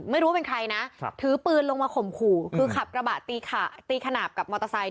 ไม่รู้ว่าเป็นใครนะถือปืนลงมาข่มขู่คือขับกระบะตีขนาดกับมอเตอร์ไซค